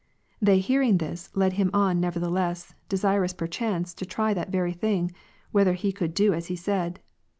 They hearing this, led him on neverthe less, desirous perchance to try that very thing, whether he could do as he said.